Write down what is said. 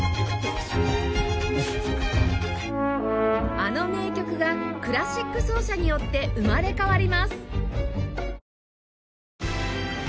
あの名曲がクラシック奏者によって生まれ変わります